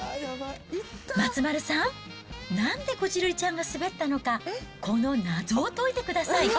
松丸さん、なんでこじるりちゃんが滑ったのか、この謎を解いてください。